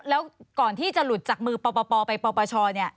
แล้วก่อนที่จะหลุดจากมือปปไปปปชเนี่ย